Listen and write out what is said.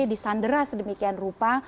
disandera sedemikian rupa